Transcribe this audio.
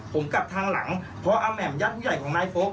ผมกลับทางหลังเพราะอาแหม่มญาติผู้ใหญ่ของนายโฟก